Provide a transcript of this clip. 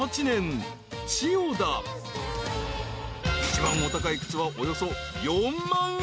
［一番お高い靴はおよそ４万円］